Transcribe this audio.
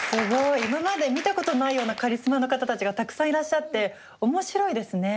今まで見たことないようなカリスマの方たちがたくさんいらっしゃって面白いですね。